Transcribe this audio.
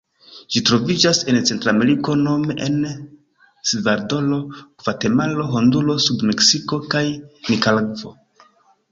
Ĝi troviĝas en Centrameriko nome en Salvadoro, Gvatemalo, Honduro, suda Meksiko kaj Nikaragvo.